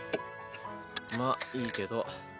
まあいいけど。